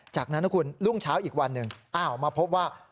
จากนั้นนะคุณรุ่งเช้าอีกวันหนึ่งอ้าวมาพบว่า